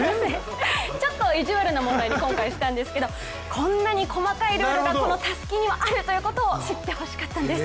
ちょっと、意地悪な問題に今回したんですがこんなに細かいルールがこのたすきにはあるということを知ってほしかったんです。